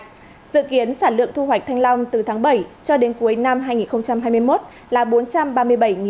dự kiến sản lượng thu hoạch thanh long từ tháng bảy cho đến cuối năm hai nghìn hai mươi một là bốn trăm ba mươi bảy